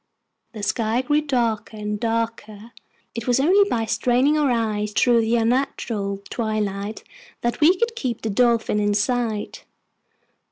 The sky grew darker and darker. It was only by straining our eyes through the unnatural twilight that we could keep the Dolphin in sight.